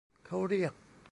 เค้าเรียก